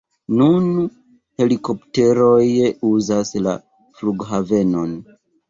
Nun helikopteroj uzas la flughavenon.